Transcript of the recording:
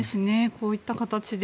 こういった形で。